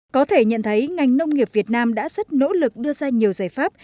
có thể nhận thấy ngành nông nghiệp việt nam đã rất nỗ lực đưa ra nhiều giải pháp